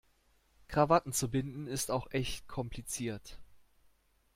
Krawatten zu binden, ist auch echt kompliziert.